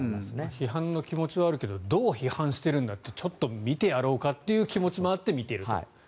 批判の気持ちはあるけれどどう批判しているか見てやろうという気持ちもあって見ていると。